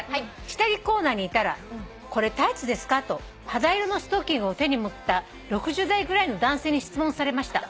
「下着コーナーにいたら『これタイツですか？』と肌色のストッキングを手に持った６０代ぐらいの男性に質問されました」